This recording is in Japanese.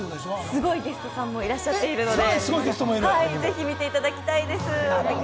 すごいゲストさんもいらっしゃっているので、ぜひ見ていただきたいです。